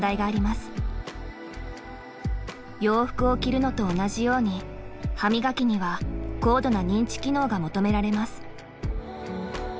洋服を着るのと同じように歯磨きには高度な認知機能が求められます。